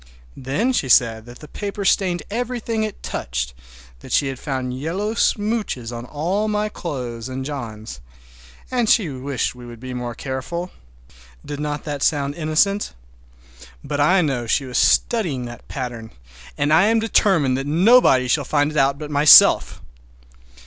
Then she said that the paper stained everything it touched, that she had found yellow smooches on all my clothes and John's, and she wished we would be more careful! Did not that sound innocent? But I know she was studying that pattern, and I am determined that nobody shall find it out but myself!